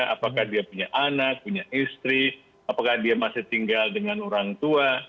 apakah dia punya anak punya istri apakah dia masih tinggal dengan orang tua